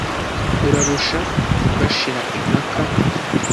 Urarusha bashira impaka